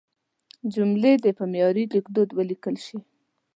جملې دې په معیاري لیکدود ولیکل شي.